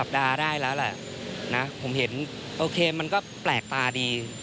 ผมเห็นโอเคมันก็แปลกตาดี